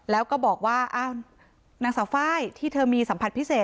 แล้วก็บอกว่านางสาวไฟล์ที่เธอมีสัมผัสพิเศษ